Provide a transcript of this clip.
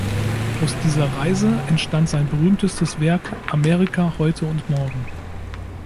Aus dieser Reise entstand sein berühmtestes Werk "Amerika Heute und Morgen".